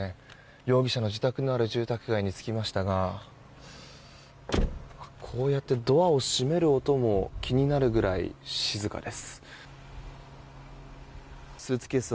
容疑者の自宅のある住宅街に着きましたがこうやってドアを閉める音も気になるぐらい静かです。